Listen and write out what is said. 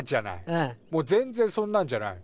もう全然そんなんじゃない。